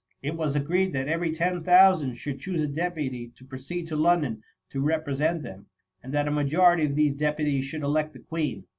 14 tHB MUMMY. it was agreed that every ten thousand should choose a deputy to proceed to London to repre sent them, and that a majority of these deputies should elect the Queen.